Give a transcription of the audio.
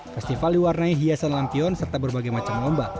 festival diwarnai hiasan lampion serta berbagai macam lomba